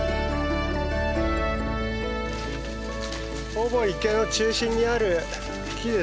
ほぼ池の中心にある木ですね。